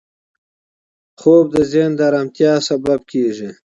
خوب د ذهن د ارامتیا لامل کېږي.